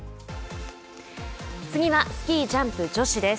次はスキージャンプ女子です。